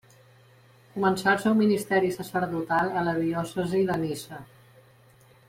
Començà el seu ministeri sacerdotal a la diòcesi de Niça.